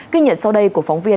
ghi nhận sau đây của phóng viên